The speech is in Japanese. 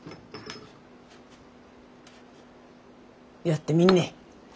やってみんね。